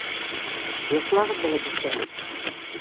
Йоҡлағыҙ, бәләкәстәрем.